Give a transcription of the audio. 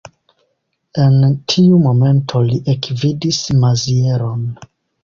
En tiu momento li ekvidis Mazieron.